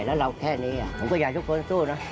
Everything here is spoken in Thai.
แล้วเราแค่นี้ผมก็อยากทุกคนสู้นะ